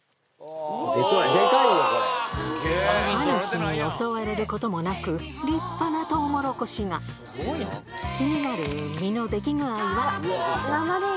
タヌキに襲われることもなく立派なトウモロコシが気になる実の出来具合は？